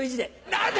何で！